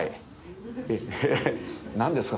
何ですか？